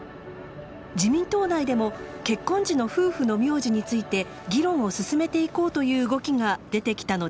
自民党内でも結婚時の夫婦の名字について議論を進めていこうという動きが出てきたのです。